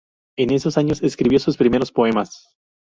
En esos años escribió sus primeros poemas.